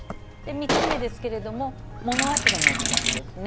３つ目ですけれども、物忘れの自覚ですね。